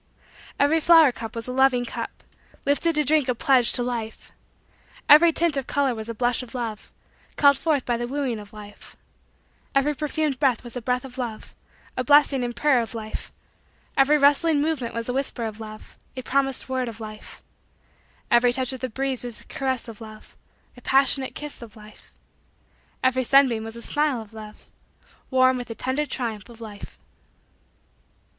Every flower cup was a loving cup, lifted to drink a pledge to Life; every tint of color was a blush of love, called forth by the wooing of Life; every perfumed breath was a breath of love, a blessing and prayer of Life; every rustling movement was a whisper of love, a promised word of Life; every touch of the breeze was a caress of love, a passionate kiss of Life; every sunbeam was a smile of love, warm with the tender triumph of Life.